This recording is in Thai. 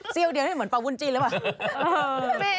เสี้ยวเดียวเบ้นเหมือนปากวุ่นจีนดีหรือเปล่า